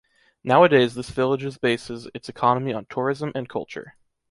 Nowadays this villages bases its economy on tourism and culture.